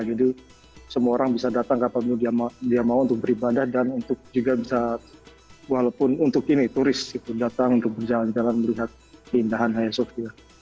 jadi semua orang bisa datang kapan pun dia mau untuk beribadah dan untuk juga bisa walaupun untuk ini turis datang untuk berjalan jalan melihat pindahan hayya sofia